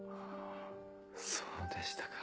そうでしたか。